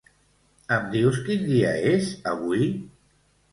Em dius quin dia és avui?